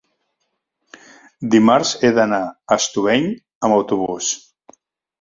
Dimarts he d'anar a Estubeny amb autobús.